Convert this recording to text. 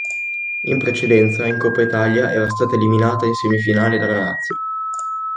In precedenza in Coppa Italia era stata eliminata in semifinale dalla Lazio.